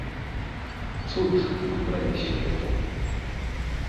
Цуд на краі свету.